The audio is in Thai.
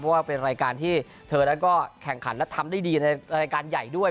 เพราะว่าเป็นรายการที่เธอนั้นก็แข่งขันและทำได้ดีในรายการใหญ่ด้วย